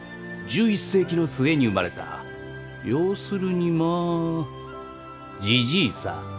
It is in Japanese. １１世紀の末に生まれた要するにまあじじいさ。